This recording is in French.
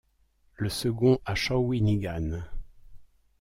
Le second à Shawinigan.